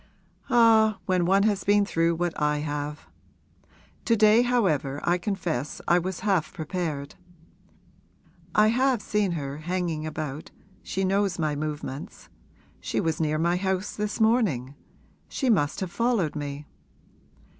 'Ah, when one has been through what I have! To day however I confess I was half prepared. I have seen her hanging about she knows my movements. She was near my house this morning she must have followed me.'